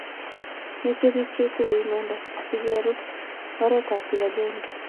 mechei biik che isubi imanda asikerub oretab kibagenge